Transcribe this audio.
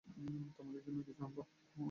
তোমার জন্য কিছু আনবো?